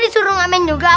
ini gak enak deh